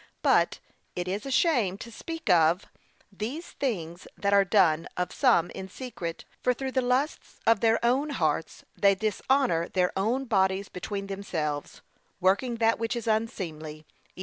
But, 'it is a shame to speak of those things that are done of some in secret;' for 'through the lusts of their own hearts, they dishonour their own bodies between themselves,' 'working that which is unseemly,' (Eph.